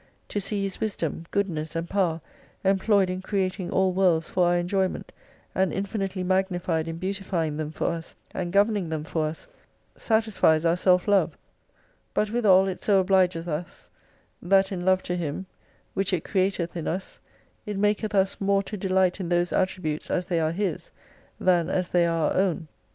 To see His wisdom, goodness, and power employed in creating all worlds for our enjoyment, and infinitely magnified in beauti fying them for us, and governing them for us satisfies our self love ; but with all it so obligeth us that in love to Him, which it crcateth in us, it maketh us more to delight in those attributes as they are His, than as they are our own.